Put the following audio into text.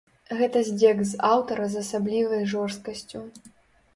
Гэта здзек з аўтара з асаблівай жорсткасцю.